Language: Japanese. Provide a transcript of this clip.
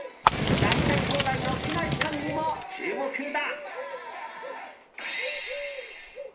やりたい放題の木梨さんにも注目だ。